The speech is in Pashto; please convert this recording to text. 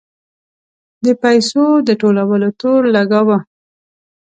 د پیسو د ټولولو تور لګاوه.